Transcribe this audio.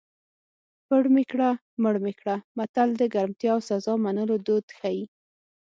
پړ مې کړه مړ مې کړه متل د ګرمتیا او سزا منلو دود ښيي